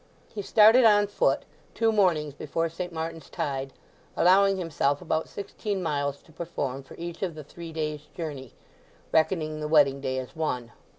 He started on foot, two mornings before St. Martin's tide, allowing himself about sixteen miles to perform for each of the three days' journey, reckoning the wedding day as one.